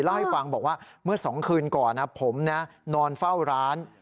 เล่าให้ฟังบอกว่าเมื่อ๒คืนก่อนผมนอนเฝ้าร้าน